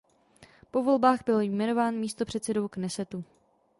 Po volbách byl jmenován místopředsedou Knesetu.